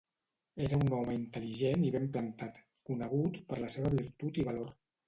Era un home intel·ligent i ben plantat, conegut per la seva virtut i valor.